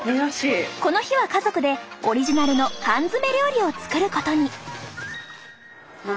この日は家族でオリジナルの缶詰料理を作ることに！